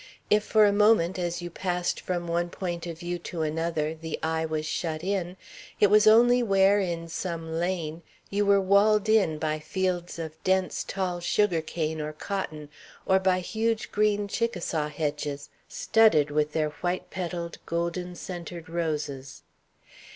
If for a moment, as you passed from one point of view to another, the eye was shut in, it was only where in some lane you were walled in by fields of dense tall sugar cane or cotton, or by huge green Chickasaw hedges, studded with their white petalled, golden centred roses.